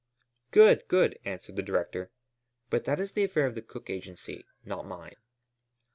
"Good, good," answered the director, "but that is the affair of the Cook Agency, not mine."